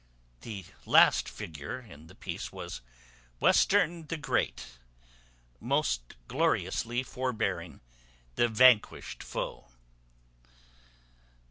The last figure in the piece was Western the Great, most gloriously forbearing the vanquished foe.